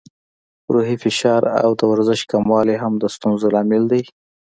روحي فشار او د ورزش کموالی هم د ستونزو لامل دی.